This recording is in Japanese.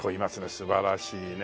素晴らしいね。